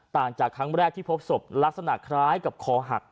ต่างจากครั้งแรกที่พบศพลักษณะคล้ายกับคอหัก